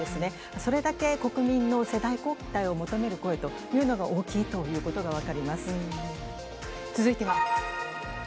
それだけ国民の世代交代を求める声というのが大きいということが続いては。